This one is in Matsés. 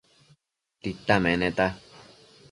Tita meneta